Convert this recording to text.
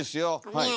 はい。